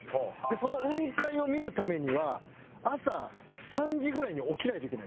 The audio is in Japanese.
その雲海を見るためには朝３時ぐらいに起きないといけないんです。